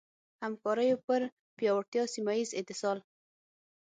همکاریو پر پیاوړتیا ، سيمهييز اتصال